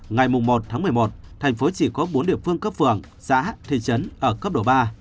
ngày một một mươi một thành phố chỉ có bốn địa phương cấp phường xã thị trấn ở cấp độ ba